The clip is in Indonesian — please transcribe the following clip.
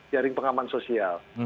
jaring pengaman sosial